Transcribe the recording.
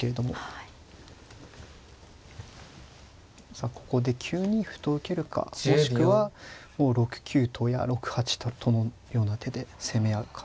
さあここで９二歩と受けるかもしくは６九とや６八とのような手で攻め合うか。